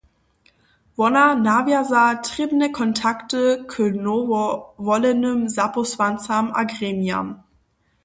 Wona nawjaza trěbne kontakty k nowowolenym zapósłancam a gremijam.